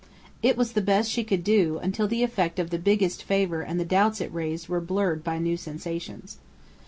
It was the best she could do, until the effect of the "biggest favour" and the doubts it raised were blurred by new sensations.